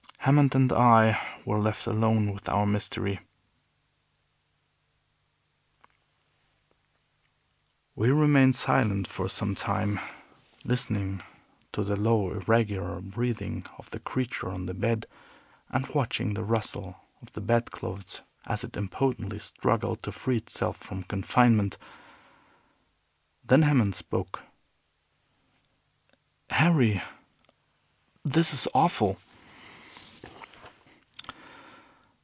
Hammond and I were left alone with our Mystery. We remained silent for some time, listening to the low, irregular breathing of the creature on the bed, and watching the rustle of the bedclothes as it impotently struggled to free itself from confinement. Then Hammond spoke. "Harry, this is awful."